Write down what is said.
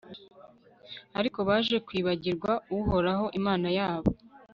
ariko baje kwibagirwa uhoraho imana yabo